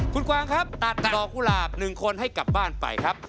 คุณกวางครับตัดดอกกุหลาบ๑คนให้กลับบ้านไปครับ